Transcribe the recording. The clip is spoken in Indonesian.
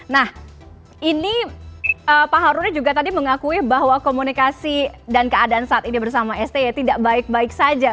nah ini pak harun juga tadi mengakui bahwa komunikasi dan keadaan saat ini bersama sti tidak baik baik saja